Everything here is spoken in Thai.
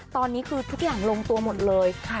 ตอนนี้คือทุกอย่างลงตัวหมดเลย